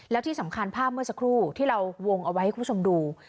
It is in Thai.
แล้วที่สำคัญภาพเมื่อสักครู่ที่เราวงเอาไว้ให้คุณผู้ชมดู